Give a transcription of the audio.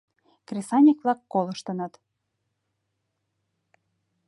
Кресаньык-влак колыштыныт.